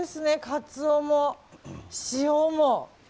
カツオも塩も。